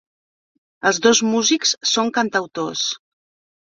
Els dos músics són cantautors.